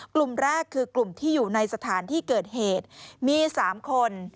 กลุ่มแรกคือกลุ่มที่อยู่ในสถานที่เกิดเหตุมี๓คน